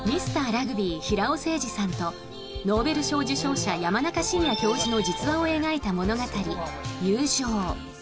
ラグビー平尾誠二さんとノーベル賞受賞者山中伸弥教授の実話を描いた物語「友情」。